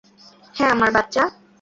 হ্যাঁ, আমার বাচ্চা।